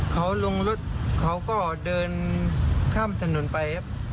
เขาลงรถเขาก็เดินข้ามถนนไปครับ